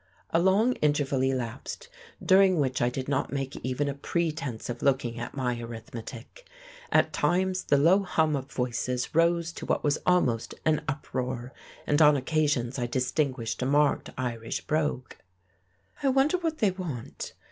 A long interval elapsed, during which I did not make even a pretence of looking at my arithmetic. At times the low hum of voices rose to what was almost an uproar, and on occasions I distinguished a marked Irish brogue. "I wonder what they want?"